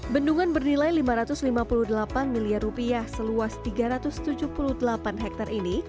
bendungan bernilai lima ratus lima puluh delapan miliar rupiah seluas tiga ratus tujuh puluh delapan hektare ini